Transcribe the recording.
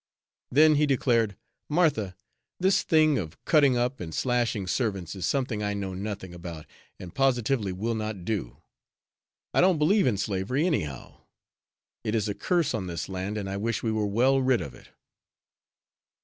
Then he declared, "Martha, this thing of cutting up and slashing servants is something I know nothing about, and positively will not do. I don't believe in slavery, anyhow; it is a curse on this land, and I wish we were well rid of it."